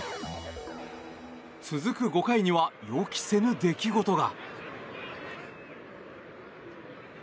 続く５回には予期せぬ出来事が。